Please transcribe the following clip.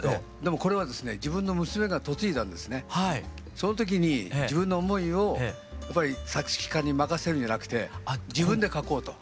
その時に自分の思いをやっぱり作詞家に任せるんじゃなくて自分で書こうと。